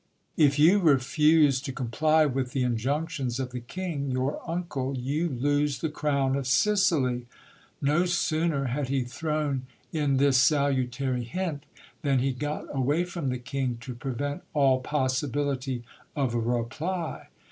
If you refuse to comply with the injunctions of the king, your uncle, you lose the crown of Sicily. No sooner had he thrown in this salutary hint, than he got away from the king, to prevent all possibility of a reply.